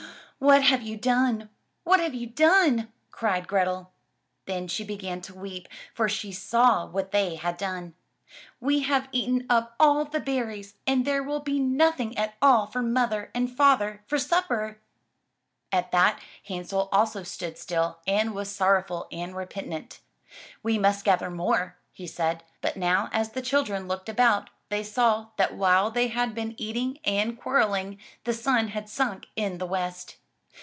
"What have you done? What have you done? cried Grethel. Then she began to weep for she saw what they had done. "We have eaten up all the berries and there will be nothing at all for mother and father for supper!*' 46 THROUGH FAIRY HALLS At that, Hansel also stood still and was sorrowful and repentant. "We must gather more," he said, but now as the children looked about, they saw that while they had been eating and quarreling, the sun had simk in the west.